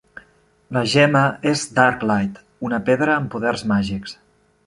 La gemma és Darklight, una pedra amb poders màgics.